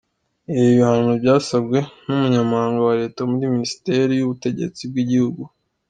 Ibi bihano byasabwe n’Umunyamabanga wa Leta muri Minisiteri y’ubutegetsi bw’igihugu,